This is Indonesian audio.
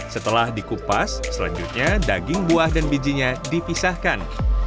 setelah dikupas selanjutnya daging buah dan bijinya dipisahkan